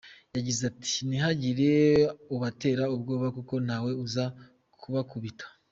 Yagize ati: “Ntihagire ubatera ubwoba kuko ntawe uza kubakubita.